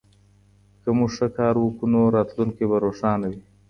که موږ ښه کار وکړو نو راتلونکی به روښانه وي.